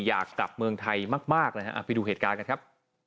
อยากกลับเมืองไทยมากเลยฮะไปดูเหตุการณ์กันครับ